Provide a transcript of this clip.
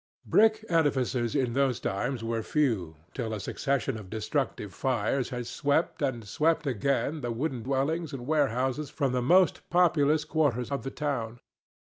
Brick edifices in those times were few till a succession of destructive fires had swept, and swept again, the wooden dwellings and warehouses from the most populous quarters of the town.